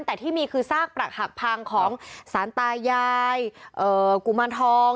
แต่ที่มีคือซากปรักหักพังของสารตายายกุมารทอง